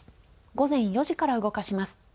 午前４時から動かします。